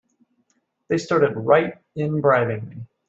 They started right in bribing me!